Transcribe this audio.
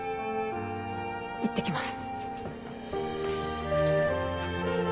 いってきます。